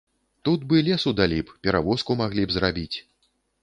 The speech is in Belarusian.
Тут бы лесу далі б, перавозку маглі б зрабіць.